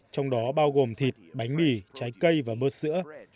trong đó bao gồm thịt bánh mì trái cây và bơ sữa